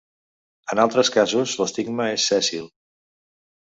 En altres casos l'estigma és sèssil.